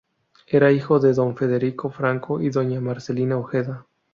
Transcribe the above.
Era hijo de don Federico Franco y doña Marcelina Ojeda.